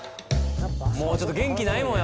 もうちょっと元気ないもん